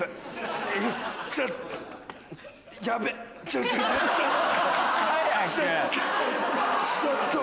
ちょっと。